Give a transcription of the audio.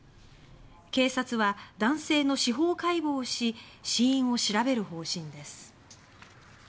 警察は男性の司法解剖をし死因を調べる方針です。